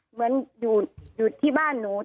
เหมือนอยู่อยู่ที่บ้านเลยนะครับ